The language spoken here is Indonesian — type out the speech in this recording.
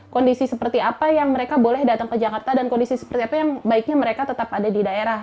kondisi seperti apa yang mereka boleh datang ke jakarta dan kondisi seperti apa yang baiknya mereka tetap ada di daerah